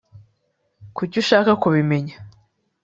kuki ushaka kubimenya